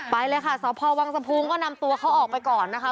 ไปเลยค่ะสาวพอกวางสภูมิก็นำตัวเขาออกไปก่อนนะ